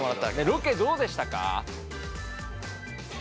ロケどうでしたか？